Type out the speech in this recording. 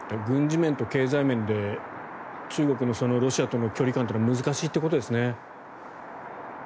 軍事面と経済面で中国のロシアとの距離感は難しいってことですね。